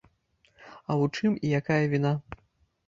А ў чым і якая віна?